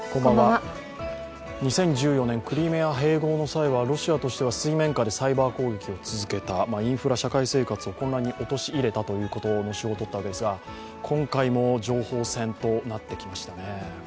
２０１４年、クリミア併合の際はロシアとしては水面下でサイバー攻撃を続けた、インフラ・社会生活を混乱に陥れたという手法をとったわけですが、今回も情報戦となってきましたね。